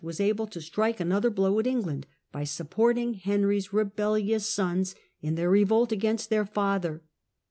was able to strike another blow at England by supporting Henry's rebellious sons in their revolt against their father.